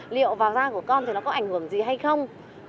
liệu vào da của con thì nó có ảnh hưởng gì hay không